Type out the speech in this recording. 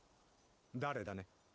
誰だね？